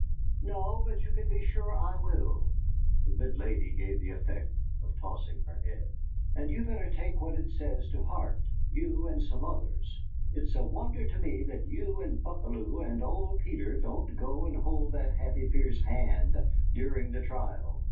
"No, but you can be sure I will!" The good lady gave the effect of tossing her head. "And you better take what it says to heart, you and some others. It's a wonder to me that you and Buckalew and old Peter don't go and hold that Happy Fear's hand durin' the trial!